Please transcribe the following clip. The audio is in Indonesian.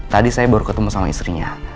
tadi saya baru ketemu sama istrinya